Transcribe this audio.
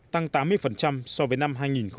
tăng tám mươi so với năm hai nghìn một mươi